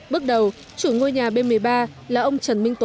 bước đầu chủ ngôi nhà b một mươi ba là ông trần minh tuấn